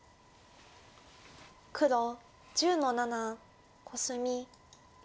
黒１０の七コスミ。